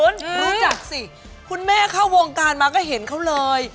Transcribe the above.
รู้จักสิคุณแม่เข้าวงการมาก็เห็นเขาเลย